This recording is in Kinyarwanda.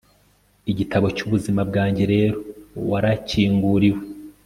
igitabo cyubuzima bwanjye rero, warakinguriwe